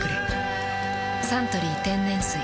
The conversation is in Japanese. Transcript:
「サントリー天然水」